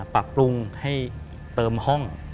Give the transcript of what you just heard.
ปรับปรุงให้เติมห้อง